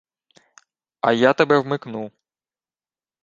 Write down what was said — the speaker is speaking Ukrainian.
— А я тебе вмикну.